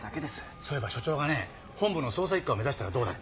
そういえば署長がね本部の捜査一課を目指したらどうだって。